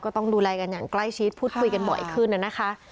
ต้องดูแลกันอย่างใกล้ชิดพูดคุยกันบ่อยขึ้นนะคะ